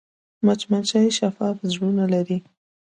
مچمچۍ شفاف وزرونه لري